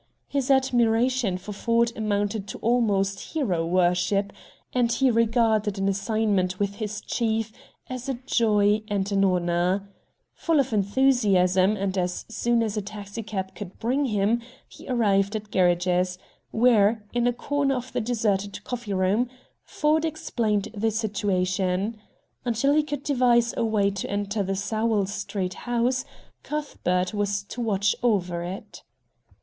His admiration for Ford amounted to almost hero worship; and he regarded an "assignment" with his chief as a joy and an honor. Full of enthusiasm, and as soon as a taxicab could bring him, he arrived at Gerridge's, where, in a corner of the deserted coffee room, Ford explained the situation. Until he could devise a way to enter the Sowell Street house. Cuthbert was to watch over it.